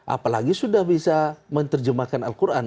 apalagi sudah bisa menerjemahkan al quran